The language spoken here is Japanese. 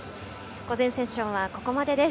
午前セッションはここまでです。